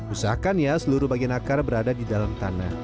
usahakan ya seluruh bagian akar berada di dalam tanah